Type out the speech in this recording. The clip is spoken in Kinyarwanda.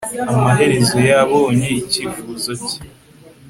amaherezo yabonye icyifuzo cye